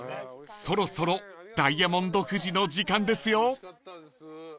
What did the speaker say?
［そろそろダイヤモンド富士の時間ですよ］